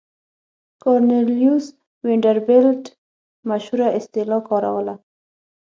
کارنلیوس وینډربیلټ مشهوره اصطلاح کاروله.